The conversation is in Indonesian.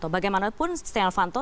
bagaimanapun setia novanto